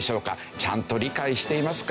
ちゃんと理解していますか？